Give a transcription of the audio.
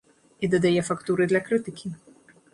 І дадае фактуры для крытыкі.